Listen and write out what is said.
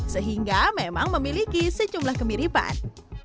sehingga memang memiliki secumlah kemiripan